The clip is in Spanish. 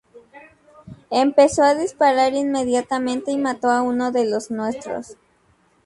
Empezó a disparar inmediatamente y mató a uno de los nuestros.